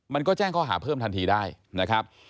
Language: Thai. มันก็แจ้งข้อหาเพิ่มทันทีได้นะครับ